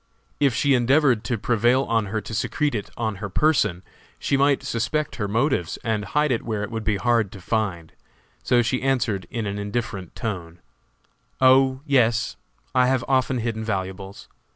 If she endeavored to prevail on her to secrete it on her person, she might suspect her motives, and hide it where it would be hard to find, so she answered in an indifferent tone; "Oh, yes, I have often hidden valuables!